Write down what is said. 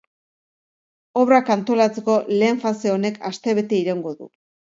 Obrak antolatzeko lehen fase honek astebete iraungo du.